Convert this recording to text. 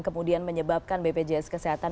kemudian menyebabkan bpjs kesehatan